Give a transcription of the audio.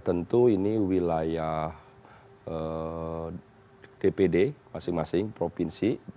tentu ini wilayah dpd masing masing provinsi